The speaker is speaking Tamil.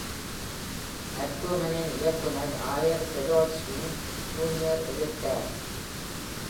மருத்துவமனையின் இயக்குனர், ஆயர் போடெல்ச்விங், ஜூனியர் எதிர்த்தார்.